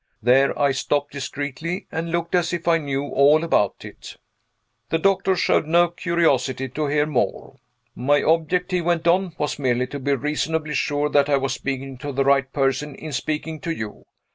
There I stopped discreetly, and looked as if I knew all about it. The doctor showed no curiosity to hear more. "My object," he went on, "was merely to be reasonably sure that I was speaking to the right person, in speaking to you.